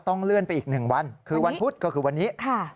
เลื่อนไปอีก๑วันคือวันพุธก็คือวันนี้